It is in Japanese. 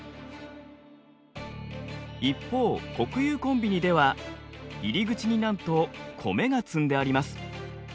一方国有コンビニでは入り口になんと米が積んであります。